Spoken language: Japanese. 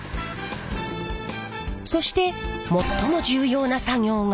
そして最も重要な作業が。